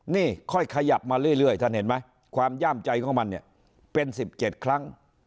นี่ค่อยขยับมาเรื่อยท่านเห็นไหมความย่ามใจของมันเนี่ยเป็น๑๗ครั้ง